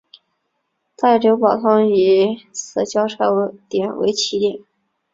大久保通以此交差点为起点。